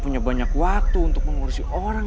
punya banyak waktu untuk mengurusi orang